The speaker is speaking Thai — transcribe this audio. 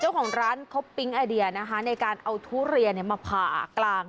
เจ้าของร้านเขาปิ๊งไอเดียนะคะในการเอาทุเรียนมาผ่ากลาง